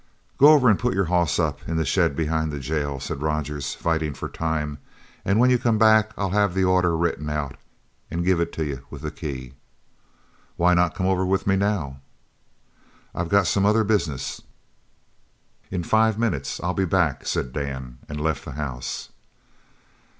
"Go over an' put your hoss up in the shed behind the jail," said Rogers, fighting for time, "an' when you come back I'll have the order written out an' give it to you with the key." "Why not come over with me now?" "I got some other business." "In five minutes I'll be back," said Dan, and left the house.